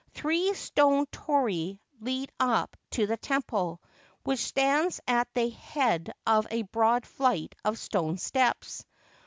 Three stone torii lead up to the temple, which stands at the head of a broad flight of stone steps.